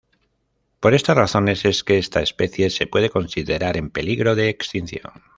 Por estas razones es que esta especie se puede considerar en peligro de extinción.